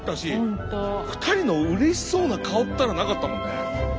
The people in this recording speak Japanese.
２人のうれしそうな顔ったらなかったもんね。